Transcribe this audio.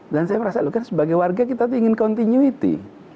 dan saya merasa lu kan sebagai warga kita ingin continuity